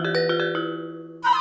belum tentu sesuai dengan impianmu